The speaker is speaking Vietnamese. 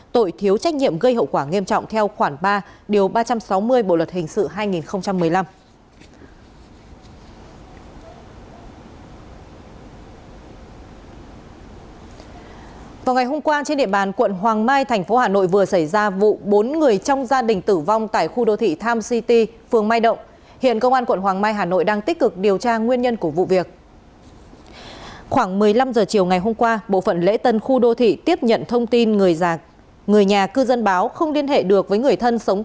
tội thiếu trách nhiệm gây hậu quả nghiêm trọng theo khoản ba điều ba trăm sáu mươi bộ luật hình sự hai nghìn một mươi năm